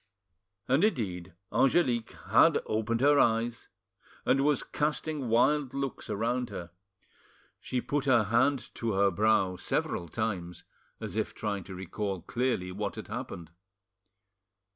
And indeed Angelique had opened her eyes and was casting wild looks around her; she put her hand to her brow several times, as if trying to recall clearly what had happened.